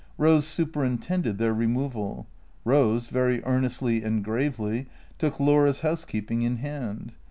Rose superintended their removal. Rose, very earnestly and gravely, took Laura's housekeeping in hand.